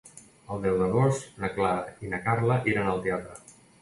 El deu d'agost na Clara i na Carla iran al teatre.